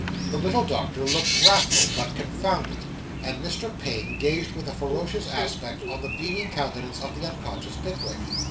The little doctor looked wrathful, but confounded; and Mr. Payne gazed with a ferocious aspect on the beaming countenance of the unconscious Pickwick.